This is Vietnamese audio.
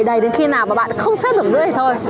đầy đến khi nào mà bạn không xếp được nữa thì thôi